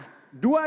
kita berikan aplaus